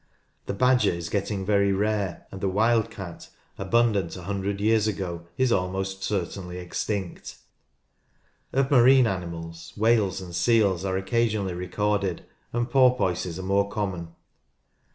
The badger is getting very rare, and the wild cat, abundant a hundred years ago, is almost certainly extinct. Of marine mammals, whales and seals are occasion ally recorded, and porpoises are more common.